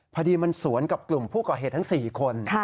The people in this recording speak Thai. พอดีมันสวนกับกลุ่มผู้ก่อเหตุทั้ง๔คน